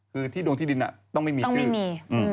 คือที่ดวงที่ดินต้องไม่มีชื่อมี